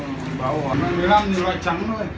mà một mươi năm thì loại trắng thôi